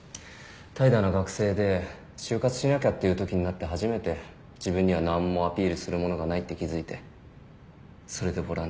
怠惰な学生で就活しなきゃっていうときになって初めて自分には何もアピールするものがないって気付いてそれでボランティア。